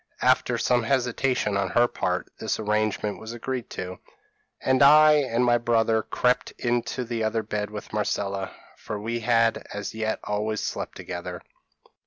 After some hesitation on her part, this arrangement was agreed to, and I and my brother crept into the other bed with Marcella, for we had as yet always slept together.